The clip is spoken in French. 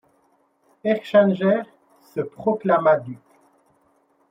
Erchanger se proclama duc.